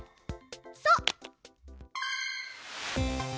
そう！